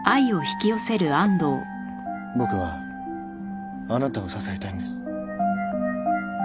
僕はあなたを支えたいんです。